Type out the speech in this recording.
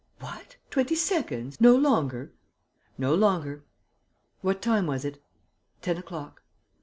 "What! Twenty seconds? No longer?" "No longer." "What time was it?" "Ten o'clock."